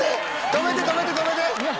止めて止めて止めて！